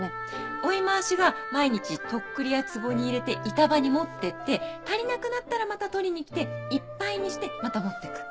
追い回しが毎日とっくりやつぼに入れて板場に持っていって足りなくなったらまた取りに来ていっぱいにしてまた持っていく。